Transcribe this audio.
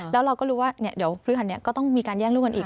แล้วเราก็รู้ว่าเดี๋ยวพฤหัสนี้ก็ต้องมีการแย่งลูกกันอีก